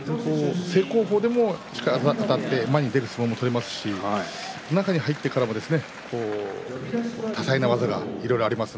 正攻法であたって前に出る相撲も取りますし中に入ってからも多彩な技がいろいろあります。